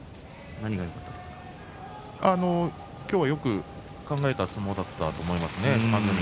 今日はよく考えた相撲だったと思いますね。